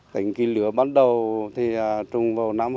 cái lửa bắt đầu thì trùng vào nam